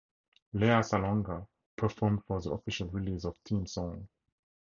Lea Salonga performed for the official release of theme song.